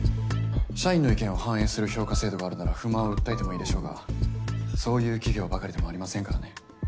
社員の意見を反映する評価制度があるなら不満を訴えてもいいでしょうがそういう企業ばかりでもありませんからね。